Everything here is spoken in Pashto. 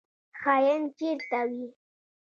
خاین چیرته وي؟